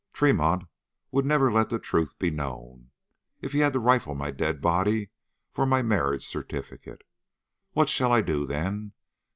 Tremont would never let the truth be known, if he had to rifle my dead body for my marriage certificate. What shall I do, then?